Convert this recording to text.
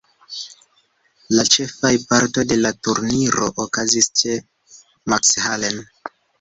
La ĉefaj parto de la turniro okazis ĉe Mackhallen.